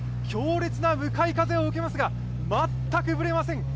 強烈な向かい風を受けますが、全くぶれません